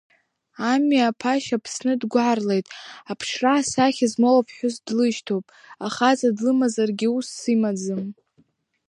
Ами аԥашьа Аԥсны дгәарлеит, аԥшра асахьа змоу аԥҳәыс длышьҭоуп, ахаҵа длымазаргьы усс имаӡам.